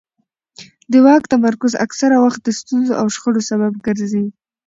د واک تمرکز اکثره وخت د ستونزو او شخړو سبب ګرځي